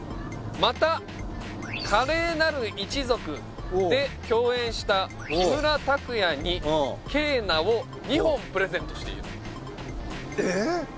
また「華麗なる一族」で共演した木村拓哉にケーナを２本プレゼントしているえっ？